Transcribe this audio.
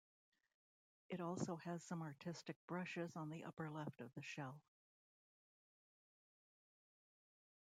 It also has some artistic brushes on the upper left of the shell.